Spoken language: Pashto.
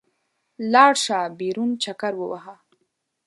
لاړ شه، بېرون چکر ووهه.